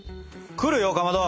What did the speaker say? くるよかまど。